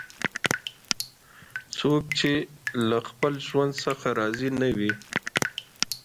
څوک چې له خپل ژوند څخه راضي نه وي